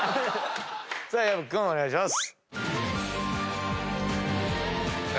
薮君お願いします。